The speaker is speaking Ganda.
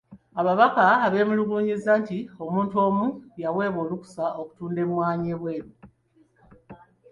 Ababaka beemulugunyizza nti omuntu omu y'aweebwa olukusa okutunda emmwanyi ebweru .